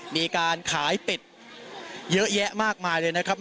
มีการขายเป็ดเยอะแยะมากมายเลยนะครับ